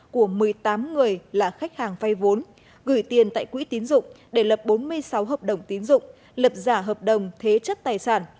của một mươi tám người là khách hàng vay vốn gửi tiền tại quỹ tín dụng để lập bốn mươi sáu hợp đồng tín dụng lập giả hợp đồng thế chất tài sản